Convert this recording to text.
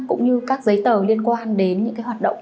cũng như các giấy tờ liên quan đến những cái hoạt động